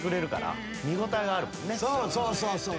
そうそうそうそう。